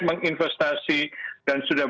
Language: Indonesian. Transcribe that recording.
menginvestasi dan sudah